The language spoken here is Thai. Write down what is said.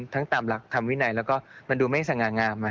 ตามหลักธรรมวินัยแล้วก็มันดูไม่สง่างาม